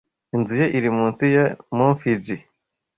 Inzu ye iri munsi ya Mt. Fuji.